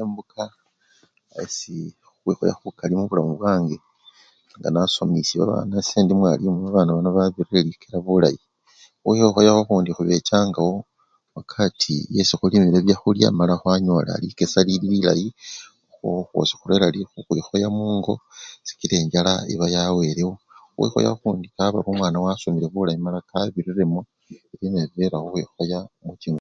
Embuka esi! khukhwikhoya khukali mubulamu bwange nganasomisye babana sendi mwalimu babana babirire likela bulayi, khukhwikhoya khukhundi khubechangawo wakati niye khulimile byakhulya mala khwanyola likesa lilili lilayi okhwo khwosi khurera khukhwikhoya mungo sikila enjala eba yawelewo. khukhwikhoya khukhunda kabari omwana wasomile bulayi kabiriremo ebyo nabyo birera khukhwikhoya muchingo